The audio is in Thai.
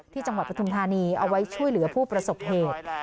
จังหวัดปฐุมธานีเอาไว้ช่วยเหลือผู้ประสบเหตุ